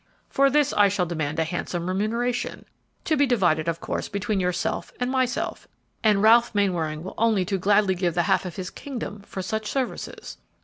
"For this I shall demand a handsome remuneration, to be divided, of course, between yourself and myself, and Ralph Mainwaring will only too gladly give the half of his kingdom for such services."